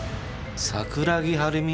桜木春美？